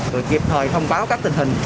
rồi kịp thời thông báo các tình hình